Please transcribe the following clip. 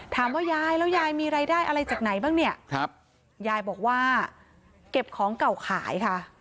ยายแล้วยายมีรายได้อะไรจากไหนบ้างเนี่ยครับยายบอกว่าเก็บของเก่าขายค่ะ